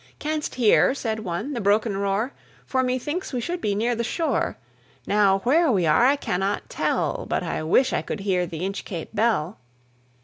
"Canst hear," said one, "the broken roar? For methinks we should be near the shore." "Now where we are I cannot tell, But I wish I could hear the Inchcape Bell."